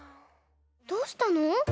どうしたの？